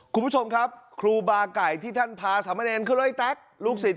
คุณผู้ชมครับครูบาไก่ที่ท่านพาสามเนรคือไอ้แต๊กลูกศิษย